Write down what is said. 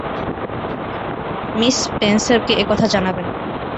Miss স্পেন্সারকে এ কথা জানাবেন।